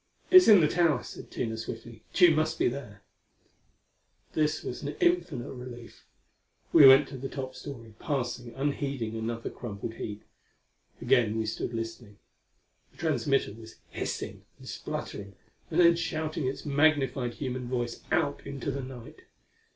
"It's in the tower," said Tina swiftly. "Tugh must be there." This was an infinite relief. We went to the top story, passing, unheeding, another crumpled heap. Again we stood listening. The transmitter was hissing and spluttering, and then shouting its magnified human voice out into the night.